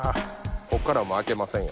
こっからもう開けませんよ